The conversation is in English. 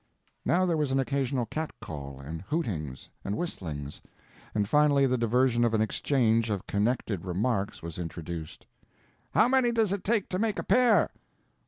Now there was an occasional cat call, and hootings, and whistlings, and finally the diversion of an exchange of connected remarks was introduced: "How many does it take to make a pair?"